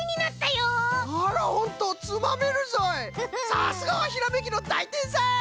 さすがはひらめきのだいてんさい！